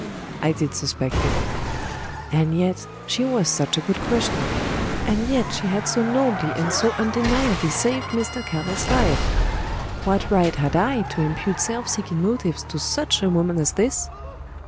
I did suspect it. And yet she was such a good Christian! And yet she had so nobly and so undeniably saved Mr. Keller's life! What right had I to impute self seeking motives to such a woman as this?